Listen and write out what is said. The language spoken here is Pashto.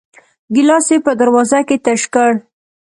ګيلاس يې په دروازه کې تش کړ.